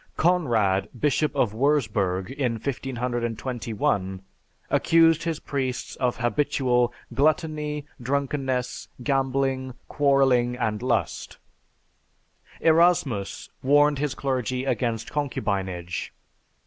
Conrad, Bishop of Wurzburg, in 1521, accused his priests of habitual "gluttony, drunkenness, gambling, quarrelling, and lust." Erasmus warned his clergy against concubinage.